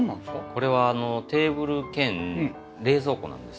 これはテーブル兼冷蔵庫なんです。